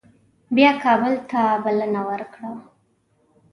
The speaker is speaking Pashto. بیا کابل ته بلنه ورکړه.